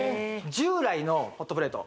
従来のホットプレート